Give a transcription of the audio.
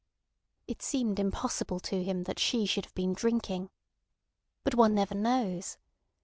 It seemed impossible to him that she should have been drinking. But one never knows.